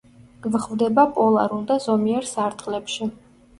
გვხვდება პოლარულ და ზომიერ სარტყლებში.